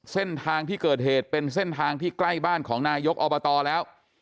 เส้นทางที่เกิดเหตุเป็นเส้นทางที่ใกล้บ้านของนายกอบตแล้ว